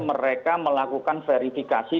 mereka melakukan verifikasi